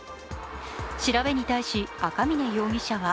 調べに対し赤嶺容疑者は